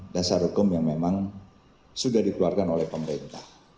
dasar hukum yang memang sudah dikeluarkan oleh pemerintah